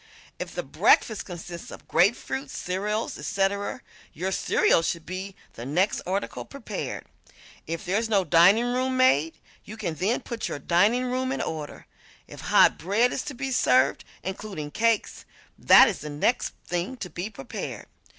If the breakfast consists of grapefruit, cereals, etc., your cereal should be the next article prepared. If there is no diningroom maid, you can then put your diningroom in order. If hot bread is to be served (including cakes) that is the next thing to be prepared.